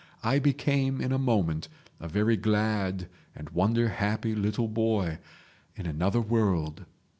I became in a moment a very glad and wonder happy little boy—in another world.